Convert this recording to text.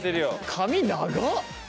髪長っ。